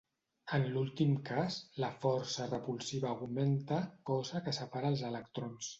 En l'últim cas, la força repulsiva augmenta, cosa que separa els electrons.